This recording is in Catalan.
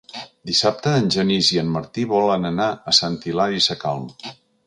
Dissabte en Genís i en Martí volen anar a Sant Hilari Sacalm.